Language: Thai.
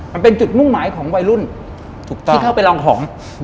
มันเป็นจุดมุ่งหมายของวัยรุ่นถูกต้องที่เข้าไปลองของ